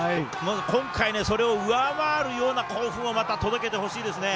今回ね、それを上回るような興奮をまた届けてほしいですね。